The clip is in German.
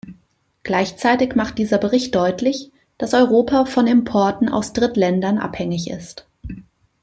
Gleichzeitig macht dieser Bericht deutlich, dass Europa von Importen aus Drittländern abhängig ist.